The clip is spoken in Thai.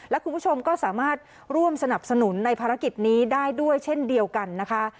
และคุณผู้ชมก็สามารถร่วมสนับสนุนในภารกิจนี้ได้ด้วยเช่นเดียวกันนะคะ